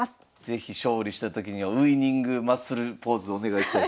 是非勝利したときにはウイニングマッスルポーズをお願いしようと思います。